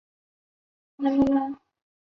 屈尔内。